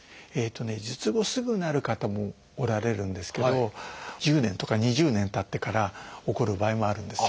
術後すぐなる方もおられるんですけど１０年とか２０年たってから起こる場合もあるんですよ。